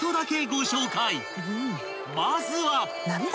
［まずは］